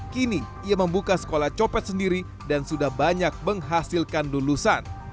kini ia membuka sekolah copet sendiri dan sudah banyak menghasilkan lulusan